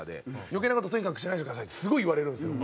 「余計な事はとにかくしないでください」ってすごい言われるんですよ。